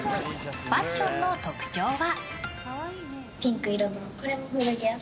ファッションの特徴は。